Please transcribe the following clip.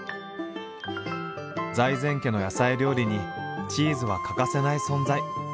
財前家の野菜料理にチーズは欠かせない存在。